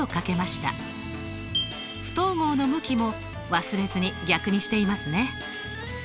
不等号の向きも忘れずに逆にしていますね。